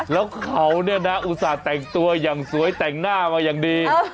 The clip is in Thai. แล้วเขาเนี่ยนะอุตส่าห์แต่งตัวอย่างสวยแต่งหน้ามาอย่างดี